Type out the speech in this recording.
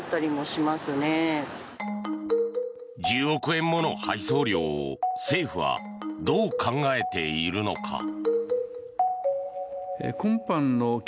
１０億円もの配送料を政府はどう考えているのか。